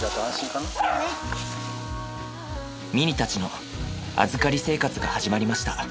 ミニたちの預かり生活が始まりました。